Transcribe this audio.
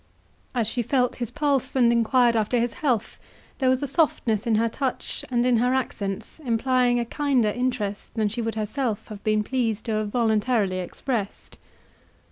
As she felt his pulse, and enquired after his health, there was a softness in her touch and in her accents implying a kinder interest than she would herself have been pleased to have voluntarily expressed.